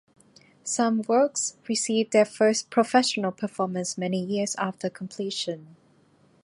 Some works received their first professional performance many years after completion.